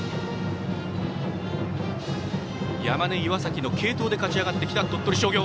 山根、岩崎の継投で勝ち上がってきた鳥取商業。